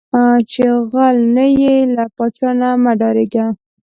چې غل نۀ یې، لۀ پاچا نه مۀ ډارېږه